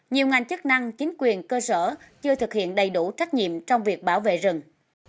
nhiều ngành chức năng chính quyền cơ sở chưa thực hiện đầy đủ trách nhiệm trong việc bảo vệ rừng